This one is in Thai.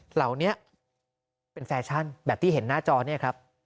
เหล่านี้เป็นแฟชั่นแบบที่เห็นหน้าจอเนี่ยครับ